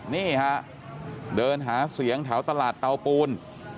นี่ฮะเดินหาเสียงแถวตลาดเตาปูน